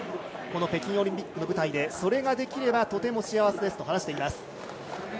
この北京オリンピックの舞台でそれができればとても幸せですと話しています。